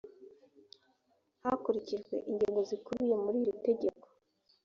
hakurikijwe ingingo zikubiye muri iri tegeko